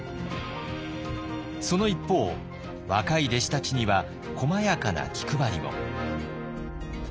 その一方若い弟子たちにはこまやかな気配りも。